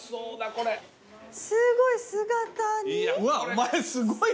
すごい。